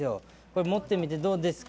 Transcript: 持ってみて、どうですか？